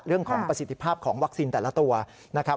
เรื่องของประสิทธิภาพของวัคซีนแต่ละตัวนะครับ